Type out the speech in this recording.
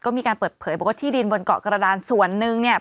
ก็มีการเปิดเผยบอกว่าที่ดินบนเกาะกระดานส่วนหนึ่งเนี่ย